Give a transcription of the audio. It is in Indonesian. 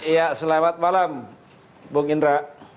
ya selamat malam bung indra